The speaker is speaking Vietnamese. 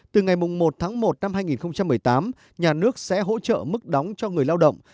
từ ngày một tháng một năm hai nghìn một mươi tám nhà nước sẽ hỗ trợ mức đóng cho người lao động